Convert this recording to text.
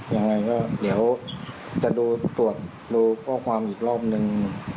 ยังไงก็เดี๋ยวจะดูประกอบความอีกรอบนึง